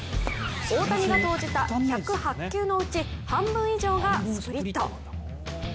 大谷が投じた１０８球のうち半分以上がスプリット。